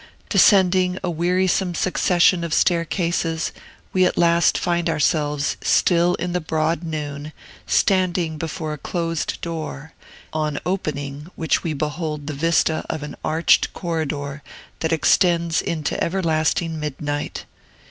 Descending a wearisome succession of staircases, we at last find ourselves, still in the broad noon, standing before a closed door, on opening which we behold the vista of an arched corridor that extends into everlasting midnight.